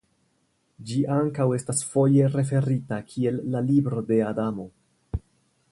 Ĝi ankaŭ estas foje referita kiel la "Libro de Adamo".